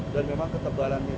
dan memang ketebalannya juga